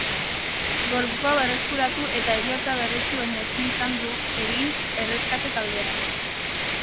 Gorpua berreskuratu eta heriotza berretsi baino ezin izan du egin erreskate-taldeak.